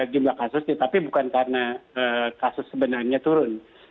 jumlah kasusnya tapi bukan karena kasus sebenarnya turun